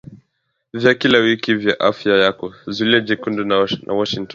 vya kila wiki vya Afya Yako, Zulia Jekundu na Washington